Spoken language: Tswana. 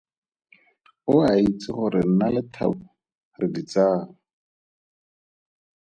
O a itse gore nna le Thabo re ditsala.